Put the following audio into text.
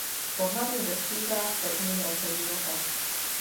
Pohlavně dospívá v prvním roce života.